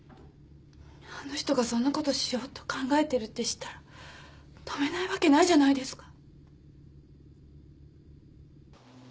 あの人がそんなことしようと考えてるって知ったら止めないわけないじゃないですか。